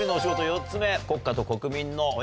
４つ目。